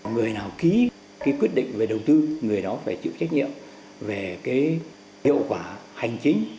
người nào ký quyết định về đầu tư người đó phải chịu trách nhiệm về hiệu quả hành chính